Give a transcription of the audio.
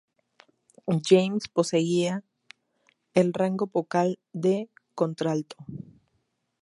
James poseía el rango vocal de contralto.